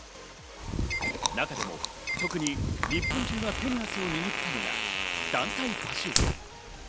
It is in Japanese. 中でも、特に日本中が手に汗を握ったのが団体パシュート。